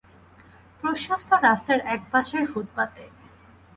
প্রশস্ত রাস্তার এক পাশের ফুটপাতে।